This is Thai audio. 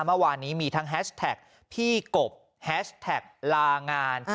เมื่อวานนี้มีทั้งแฮชแท็กพี่กบแฮชแท็กลางาน